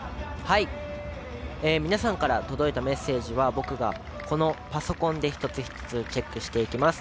皆さんから届いたメッセージは、パソコンで一つ一つチェックしていきます。